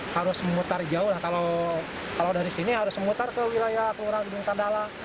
harus memutar jauh lah kalau dari sini harus memutar ke wilayah kelurahan gedung tandala